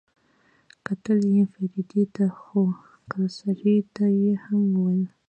کتل يې فريدې ته خو کلسري ته يې هم وويل.